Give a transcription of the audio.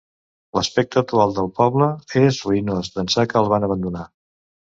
L'aspecte actual del poble és ruïnós d'ençà que el van abandonar.